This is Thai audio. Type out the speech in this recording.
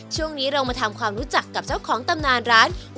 ช่วงนี้เรามาทำความรู้จักกับเจ้าของตำนานร้าน